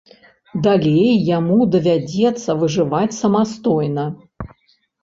Далей яму давядзецца выжываць самастойна.